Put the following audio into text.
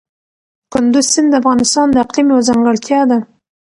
کندز سیند د افغانستان د اقلیم یوه ځانګړتیا ده.